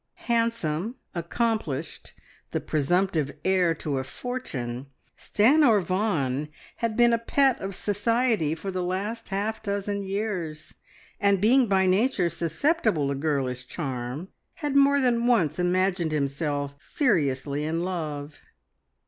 Handsome, accomplished, the presumptive heir to a fortune, Stanor Vaughan had been a pet of society for the last half dozen years, and being by nature susceptible to girlish charm had more than once imagined himself seriously in love.